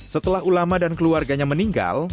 setelah ulama dan keluarganya meninggal